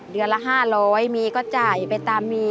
เดือนละ๕๐๐มีก็จ่ายไปตามมี